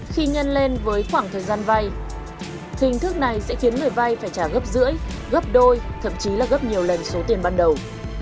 khi nhân lên với khoảng thời gian vay hình thức này sẽ khiến người vay phải trả gấp rưỡi gấp đôi thậm chí là gấp nhiều lần số tiền ban đầu